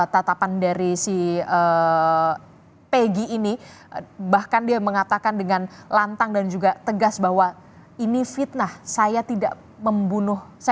tatapan dari si pegi ini bahkan dia mengatakan dengan lantang dan juga tegas bahwa ini fitnah saya tidak membunuh